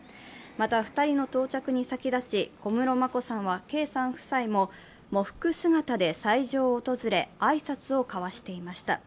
また、２人の到着に先立ち、小室眞子さん、圭さん夫妻も喪服姿で斎場を訪れ挨拶を交わしていました。